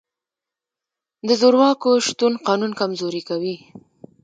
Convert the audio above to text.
د زورواکو شتون قانون کمزوری کوي.